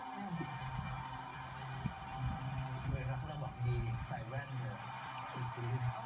เมื่อรักแล้วหวังดีใส่แว่นเถอะ